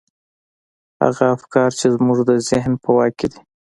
هغه افکار چې زموږ د ذهن په واک کې دي.